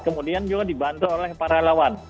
kemudian juga dibantu oleh para lawan